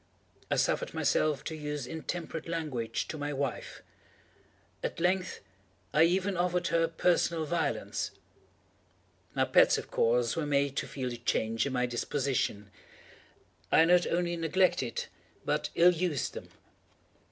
I suffered myself to use intemperate language to my wife. At length, I even offered her personal violence. My pets, of course, were made to feel the change in my disposition. I not only neglected, but ill used them.